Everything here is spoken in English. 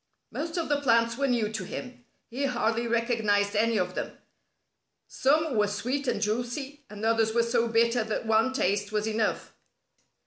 Most of the plants were new to him. He hardly recognized any of them. Some were sweet and juicy, and others were so bitter that one taste was enough.